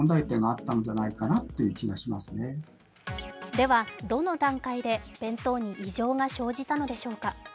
では、どの段階で弁当に異常が生じたのでしょうか。